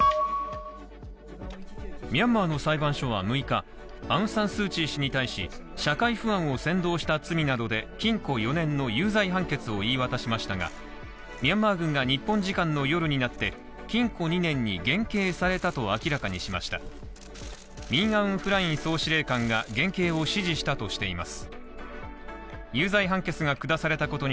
ミャンマーの裁判所は６日、アウン・サン・スー・チー氏に対し、社会不安を扇動した罪などで禁錮４年の有罪判決を言い渡しましたが、ミャンマー軍が日本時間の夜になって禁錮２年に減刑されたと明らかにしましたミン・アウン・フライン総司令官が減刑を指示したとしています。